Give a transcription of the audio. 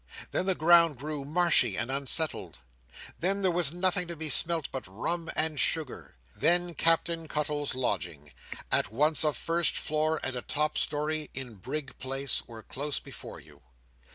Then, the ground grew marshy and unsettled. Then, there was nothing to be smelt but rum and sugar. Then, Captain Cuttle's lodgings—at once a first floor and a top storey, in Brig Place—were close before you.